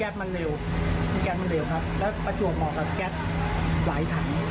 มันเร็วแก๊สมันเร็วครับแล้วประจวบเหมาะกับแก๊สหลายถัง